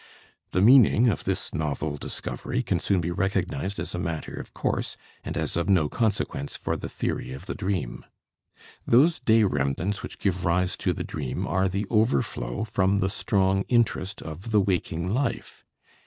The meaning of this novel discovery can soon be recognized as a matter of course and as of no consequence for the theory of the dream. Those day remnants which give rise to the dream are the overflow from the strong interest of the waking life.